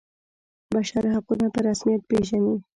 بشر حقونه په رسمیت پيژني.